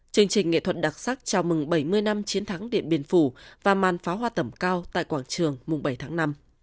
chương trình nghệ thuật đặc sắc chào mừng bảy mươi năm chiến thắng điện biên phủ và màn pháo hoa tầm cao tại quảng trường mùng bảy tháng năm